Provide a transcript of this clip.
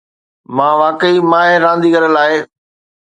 مان واقعي ماهر رانديگر لاءِ